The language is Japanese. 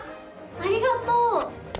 ありがとう！